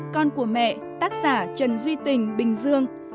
con của mẹ tác giả trần duy tình bình dương